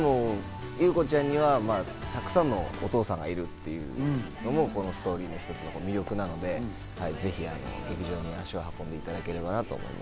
でも、優子ちゃんにはたくさんのお父さんがいるっていうのもこのストーリーの一つの魅力なので、ぜひ劇場に足を運んでいただければなと思います。